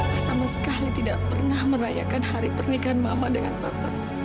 dia sama sekali tidak pernah merayakan hari pernikahan mama dengan papa